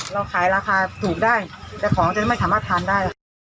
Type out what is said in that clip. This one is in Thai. เราขายราคาถูกได้แต่ของจะไม่สามารถทานได้